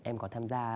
em có tham gia